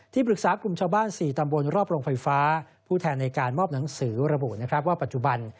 ปรึกษากลุ่มชาวบ้าน๔ตำบลรอบโรงไฟฟ้าผู้แทนในการมอบหนังสือระบุนะครับว่าปัจจุบัน